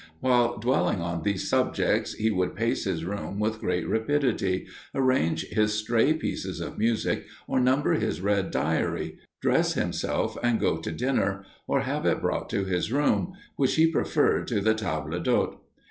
While dwelling on these subjects, he would pace his room with great rapidity, arrange his stray pieces of music, or number his red diary, dress himself and go to dinner, or have it brought to his room, which he preferred to the table d'hôte.